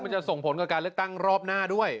จะส่งผลกับการเลือกตั้งรอบหน้าด้วย